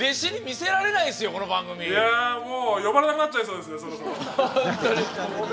もう呼ばれなくなっちゃいそうですねそろそろ。